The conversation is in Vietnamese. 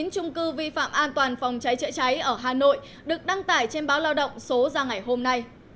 bảy mươi chín trung cư vi phạm an toàn phòng cháy trợ cháy ở hà nội được đăng tải trên báo lao động số ra ngày hôm nay